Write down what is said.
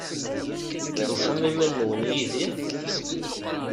Tufam iman-nwen yid-i?